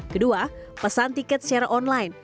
kedua pesan tiket secara online